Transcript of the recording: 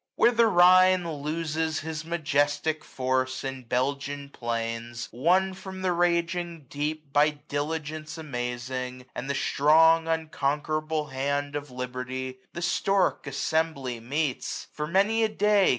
Where the Rhine loses his majestic force In Belgian plains, won from the raging deep. By diligence amazing, and the strong Unconquerable hand of Liberty, 850 The stork assembly meets j for many a day.